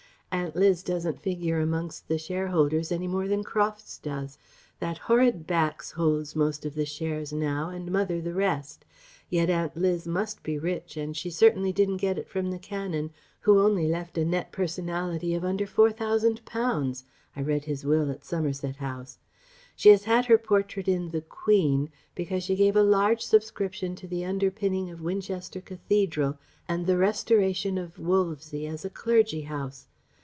Aunt Liz doesn't figure amongst the shareholders any more than Crofts does. That horrid Bax holds most of the shares now, and mother the rest.... Yet Aunt Liz must be rich and she certainly didn't get it from the Canon, who only left a net personality of under £4,000.... I read his will at Somerset House.... She has had her portrait in the Queen because she gave a large subscription to the underpinning of Winchester Cathedral and the restoration of Wolvesey as a clergy house....